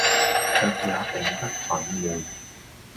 卻也並不憤懣，